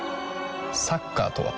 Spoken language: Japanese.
サッカーとは？